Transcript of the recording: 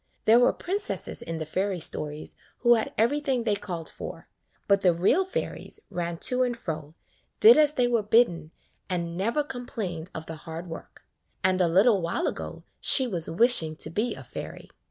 There were princesses in the fairy stories who had everything they called for, but the real fairies ran to and fro, did as they were bidden, and never complained of the hard work: and a little while ago she was wishing to be a fairy.